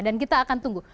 dan kita akan tunggu